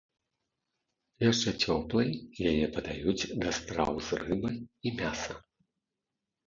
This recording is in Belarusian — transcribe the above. Яшчэ цёплай яе падаюць да страў з рыбы і мяса.